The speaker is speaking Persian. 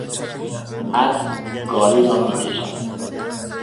اسب گاری را میکشد.